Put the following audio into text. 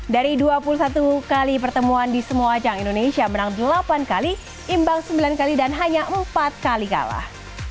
dari dua puluh satu kali pertemuan di semua ajang indonesia menang delapan kali imbang sembilan kali dan hanya empat kali kalah